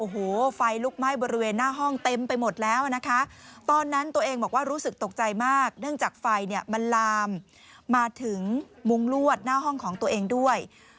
โอ้โหไฟลุกไหม้บริเวณหน้าห้องเต็มไปหมดแล้วนะคะตอนนั้นตัวเองบอกว่ารู้สึกตกใจมากเนื่องจากไฟเนี่ยมันลามมาถึงมุงลวดหน้าห้องของตัวเองด้วย